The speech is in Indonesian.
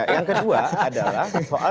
yang kedua adalah soal